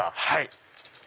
はい。